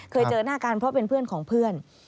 เคยเจอหน้ากันเพราะเป็นเพื่อนของเพื่อน